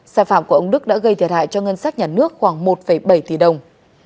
sai phạm của ông đức đã gây thiệt hại cho ngân sách nhà nước khoảng một bảy tỷ đồng